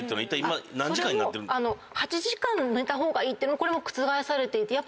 ８時間寝た方がいいっていうのは覆されていて。